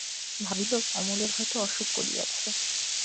ভাবিল, অমলের হয়তো অসুখ করিয়াছে।